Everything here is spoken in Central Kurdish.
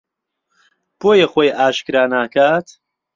بۆیە خۆی ئاشکرا ناکات